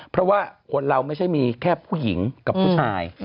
เพราะว่าคนเราไม่ใช่มีแค่ผู้หญิงกับผู้ชาย